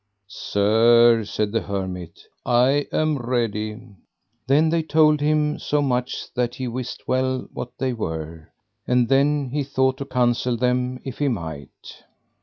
Sir, said the hermit, I am ready. Then they told him so much that he wist well what they were. And then he thought to counsel them if he might.